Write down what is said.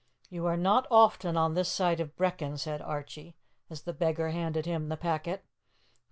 "You are not often on this side of Brechin," said Archie, as the beggar handed him the packet.